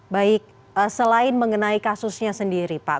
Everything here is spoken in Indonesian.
baik selain mengenai kasusnya sendiri pak